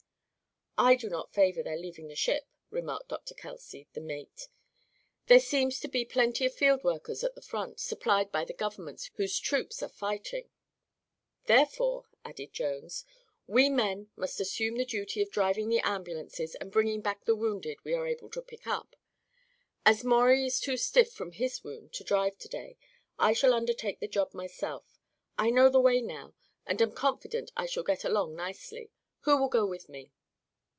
"I do not favor their leaving the ship," remarked Dr. Kelsey, the mate. "There seems to be plenty of field workers at the front, supplied by the governments whose troops are fighting." "Therefore," added Jones, "we men must assume the duty of driving the ambulances and bringing back the wounded we are able to pick up. As Maurie is too stiff from his wound to drive to day, I shall undertake the job myself. I know the way, now, and am confident I shall get along nicely. Who will go with me?"